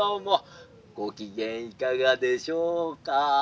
ごきげんいかがでしょうか？」。